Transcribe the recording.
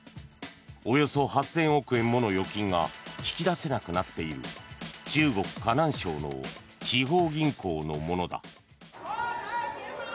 およそ８０００億円もの預金が引き出せなくなっている中国・河南省の地方銀行のものだ。